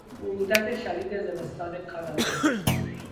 برودت شدید زمستان کانادا